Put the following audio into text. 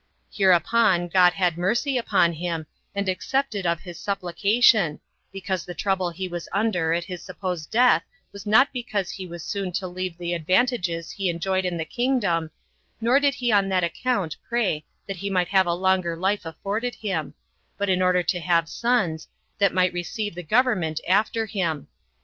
Hereupon God had mercy upon him, and accepted of his supplication, because the trouble he was under at his supposed death was not because he was soon to leave the advantages he enjoyed in the kingdom, nor did he on that account pray that he might have a longer life afforded him, but in order to have sons, that might receive the government after him.